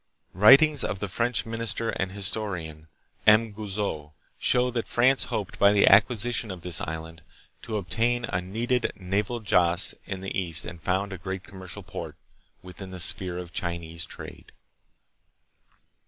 Writings of the French minister and historian, M. Guizot, show that France hoped, by the acquisition of this island, to obtain a needed, naval Jaase in the East and found a great commercial port within the sphere of Chinese trade.